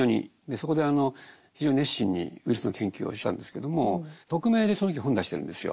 そこで非常に熱心にウイルスの研究をしてたんですけども匿名でその時本を出してるんですよ。